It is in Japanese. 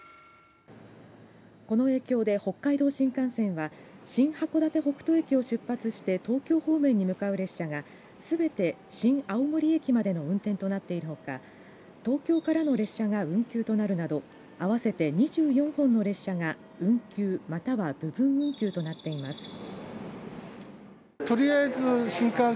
この影響で北海道新幹線は新函館北斗駅を出発して東京方面に向かう列車がすべて新青森駅までの運転となっているほか東京からの列車が運休となるなど合わせて２４本の列車が運休、または部分運休となっています。